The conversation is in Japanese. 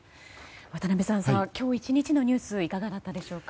渡辺さん、今日１日のニュースいかがだったでしょうか。